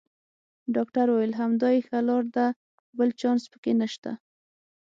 ډاکټر وویل: همدا یې ښه لار ده، بل چانس پکې نشته.